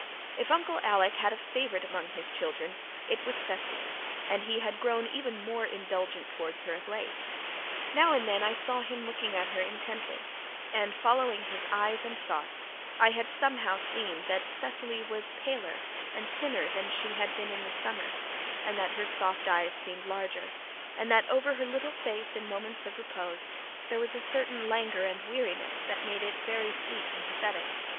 If Uncle Alec had a favourite among his children it was Cecily, and he had grown even more indulgent towards her of late. Now and then I saw him looking at her intently, and, following his eyes and thought, I had, somehow, seen that Cecily was paler and thinner than she had been in the summer, and that her soft eyes seemed larger, and that over her little face in moments of repose there was a certain languor and weariness that made it very sweet and pathetic.